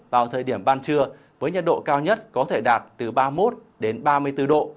vào thời điểm ban trưa với nhiệt độ cao nhất có thể đạt từ ba mươi một đến ba mươi bốn độ